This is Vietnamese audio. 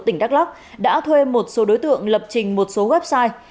tỉnh đắk lắc đã thuê một số đối tượng lập trình một số website